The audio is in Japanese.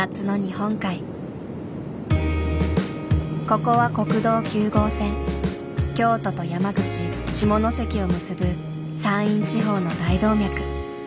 ここは京都と山口・下関を結ぶ山陰地方の大動脈。